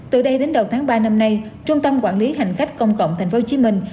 từ đây đến đầu tháng ba năm nay trung tâm quản lý hành khách công cộng thành phố hồ chí minh